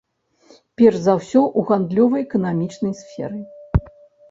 Перш за ўсё, у гандлёва-эканамічнай сферы.